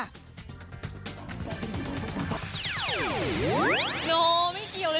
นู่ม่ะไม่เกี่ยวเลย